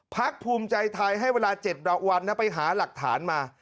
ภูมิใจไทยให้เวลา๗วันไปหาหลักฐานมา